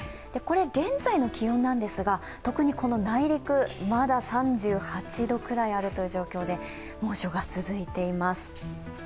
現在の気温なんですが特に内陸、まだ３８度くらいあるという状況で、猛暑が続いています。